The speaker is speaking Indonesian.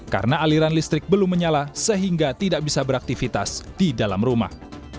karena aliran listrik belum menyala sehingga tidak bisa beraktivitas di dalam rumah